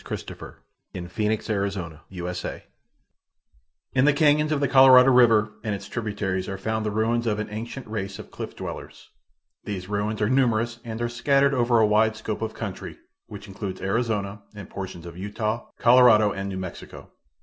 CHAPTER XII THE CLIFF DWELLERS In the canons of the Colorado river and its tributaries are found the ruins of an ancient race of cliff dwellers. These ruins are numerous and are scattered over a wide scope of country, which includes Arizona and portions of Utah, Colorado and New Mexico.